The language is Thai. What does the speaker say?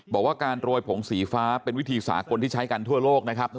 บอกว่าการโรยผงสีฟ้าเป็นวิธีสากลที่ใช้กันทั่วโลกนะครับ